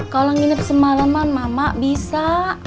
kalau nginep semaleman mak mak bisa